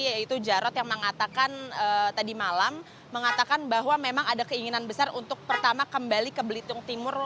yaitu jarod yang mengatakan tadi malam mengatakan bahwa memang ada keinginan besar untuk pertama kembali ke belitung timur